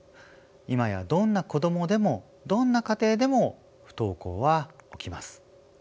今やどんな子どもでもどんな家庭でも不登校は起きます。